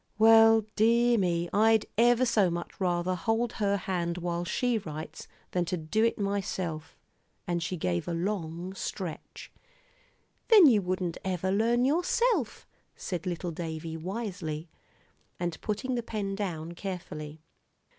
"Well, dear me, I'd ever so much rather hold her hand while she writes, than to do it myself." And she gave a long stretch. "Then you wouldn't ever learn yourself," said little Davie, wisely, and putting the pen down carefully.